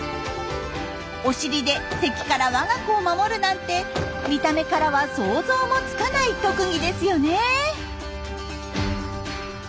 お尻で敵から我が子を守るなんて見た目からは想像もつかない特技ですよね。